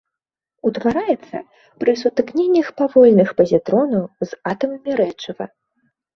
Утвараецца пры сутыкненнях павольных пазітронаў з атамамі рэчыва.